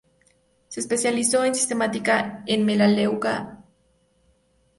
Se especializó en la sistemática de "Melaleuca", "Syzygium", "Hibiscus", "Gossypium".